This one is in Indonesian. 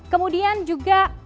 kemudian juga penerima